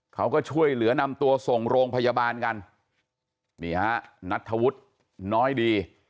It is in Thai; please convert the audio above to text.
เขาก็ช่วยเหลือนำตัวส่งโรงพยาบาลกันนี่ฮะนัทธวุฒิน้อยดี